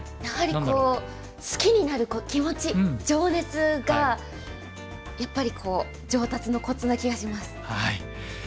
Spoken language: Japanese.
やはりこう好きになる気持ち情熱がやっぱりこう上達のコツな気がします。